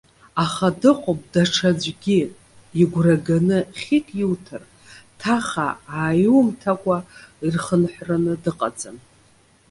Аха дыҟоуп даҽаӡәгьы, игәра ганы хьык иуҭар, ҭаха ааиумҭакәа ирхынҳәраны дыҟаӡам.